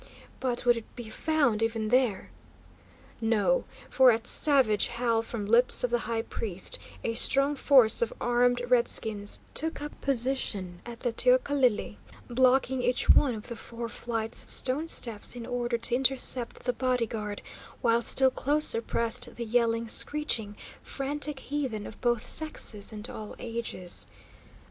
But would it be found even there? No! For, at savage howl from lips of the high priest, a strong force of armed redskins took up position at the teocalli, blocking each one of the four flights of stone steps in order to intercept the body guard, while still closer pressed the yelling, screeching, frantic heathen of both sexes and all ages.